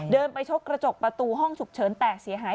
ไปชกกระจกประตูห้องฉุกเฉินแตกเสียหาย